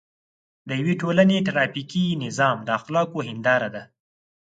د یوې ټولنې ټرافیکي نظام د اخلاقو هنداره ده.